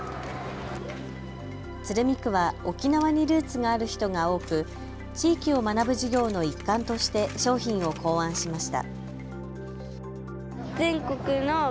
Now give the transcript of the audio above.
鶴見区は沖縄にルーツがある人が多く地域を学ぶ授業の一環として商品を考案しました。